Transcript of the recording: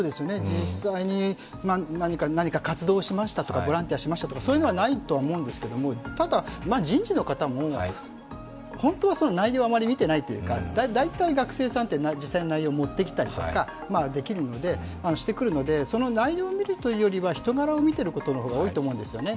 実際に何か活動しましたとか、ボランティアしましたとか、そういうのはないとは思うんですけど、ただ、人事の方も本当はその内容はあまり見てないというか大体学生さんって実際の内容を持ってきたりとか、してくるので、その内容を見るというよりも人柄を見ていることの方が多いと思うんですよね。